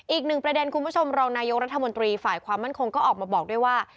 อีกหนึ่งประเด็นคุณผู้ชมรองนายกรัฐมนตรีฝ่ายความมั่นคงก็ออกมาบอกด้วยว่า